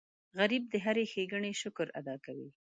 غریب د هرې ښېګڼې شکر ادا کوي